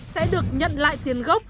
sẽ được nhận lại tiền gốc